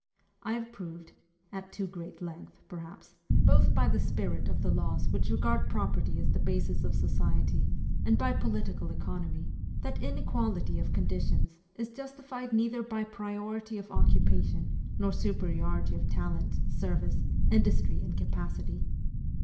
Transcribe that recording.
I have proved, at too great length, perhaps, both by the spirit of the laws which regard property as the basis of society, and by political economy, that inequality of conditions is justified neither by priority of occupation nor superiority of talent, service, industry, and capacity.